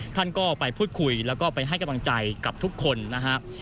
ท่านก็ไปพูดคุยแล้วก็ไปให้กำลังใจกับทุกคนนะฮะ